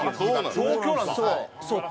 そう。